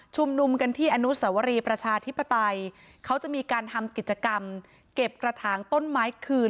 นุมกันที่อนุสวรีประชาธิปไตยเขาจะมีการทำกิจกรรมเก็บกระถางต้นไม้คืน